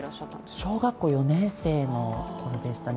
小学校４年生の頃でしたね。